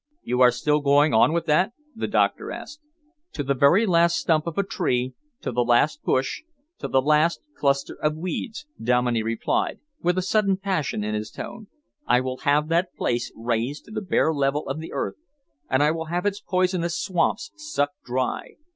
"You are still going on with that?" the doctor asked. "To the very last stump of a tree, to the last bush, to the last cluster of weeds," Dominey replied, with a sudden passion in his tone. "I will have that place razed to the bare level of the earth, and I will have its poisonous swamps sucked dry.